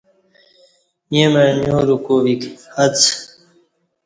ییں مع نیوروک ویک اڅ